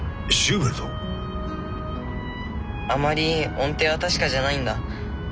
あまり音程は確かじゃないんだ。